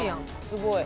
すごい。